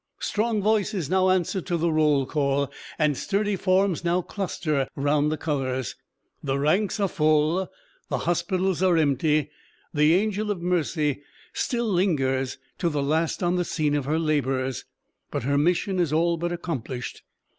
Strong voices now answer to the roll call, and sturdy forms now cluster round the colors. The ranks are full, the hospitals are empty. The angel of mercy still lingers to the last on the scene of her labors; but her mission is all but accomplished.